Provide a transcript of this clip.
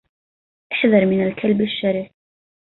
احذر من الكلب الشرس